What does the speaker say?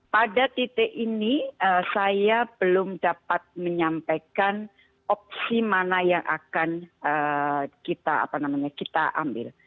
pada titik ini saya belum dapat menyampaikan opsi mana yang akan kita ambil